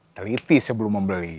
teliti sebelum membeli